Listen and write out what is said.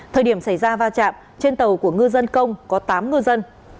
thời điểm xảy ra va chạm trên tàu của ngư dân công có tám ngư dân